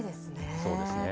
そうですね。